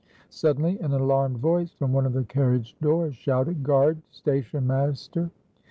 Suddenly an alarmed voice from one of the carriage doors shouted "Guard! Station master!"